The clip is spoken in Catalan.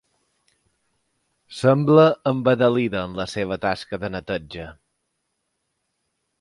Sembla embadalida en la seva tasca de neteja.